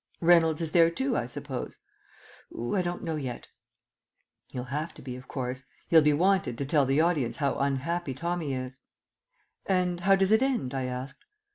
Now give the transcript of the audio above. "Reynolds is there too, I suppose?" "Oo, I don't know yet." (He'll have to be, of course. He'll be wanted to tell the audience how unhappy Tommy is.) "And how does it end?" I asked.